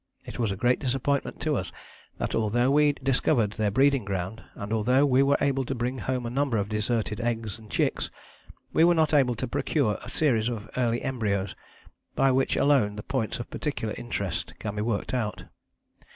It was a great disappointment to us that although we discovered their breeding ground, and although we were able to bring home a number of deserted eggs and chicks, we were not able to procure a series of early embryos by which alone the points of particular interest can be worked out.